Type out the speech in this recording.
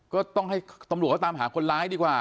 ก็ต้องให้ตำรวจเขาตามหาคนร้ายดีกว่า